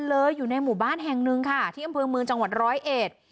อยู่ในหมู่บ้านแห่งหนึ่งค่ะที่อำเภอเมืองจังหวัดร้อยเอ็ด